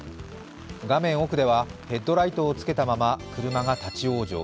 画面奥ではヘッドライトをつけたまま車が立往生。